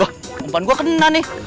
wah umpan gue kena nih